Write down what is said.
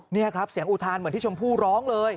นี่ครับเสียงอุทานเหมือนที่ชมพู่ร้องเลย